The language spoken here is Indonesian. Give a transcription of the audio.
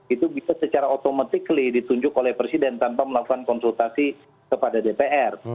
itu bisa secara otomatis ditunjuk oleh presiden tanpa melakukan konsultasi kepada dpr